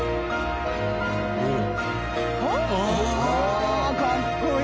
ああかっこいい！